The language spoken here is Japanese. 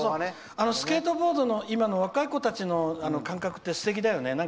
スケートボードの今の若い子たちの感覚って素敵だよね。